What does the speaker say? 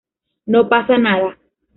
No pasa nada".